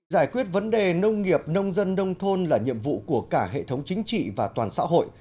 giải quyết vấn đề nông nghiệp nông dân nông thôn là nhiệm vụ của cả hệ thống chính trị và toàn xã hội